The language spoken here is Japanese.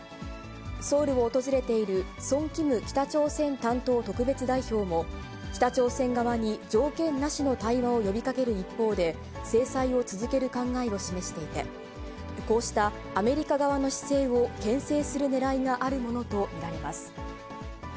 ソウルを訪れているソン・キム北朝鮮担当特別代表も、北朝鮮側に条件なしの対話を呼びかける一方で、制裁を続ける考えを示していて、こうしたアメリカ側の姿勢をけん制するねらいがあるものと見られます。